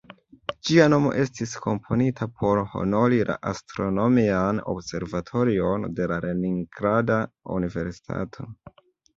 Ĝia nomo estis komponita por honori la "Astronomian Observatorion de la Leningrada Universitato".